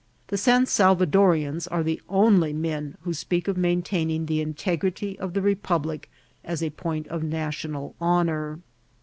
The San Salvadoreans are the only men who speak of sustaining the integrity of the Republic as a point of national honour.